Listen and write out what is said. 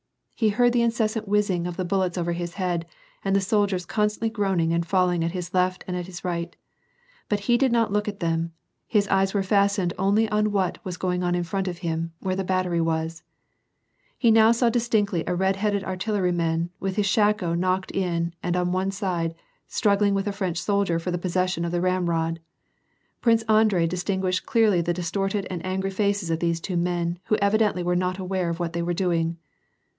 He heard the incessant whizzing of the bullets over his head, and the soldiers constantly groaning and falling at his left hand and at his right. But he did not look at them; his eyes were fastened only on what was going on in front of him, where the battery was He now saw dis tinctly a red headed artilleryman, with his shako knocked in and on one side, struggling with a French soldier for the pos session of a ramrod. Prince Andrei distinguished clearly the distorted and angry faces of these two men, who evidently were not aware of what they were doing.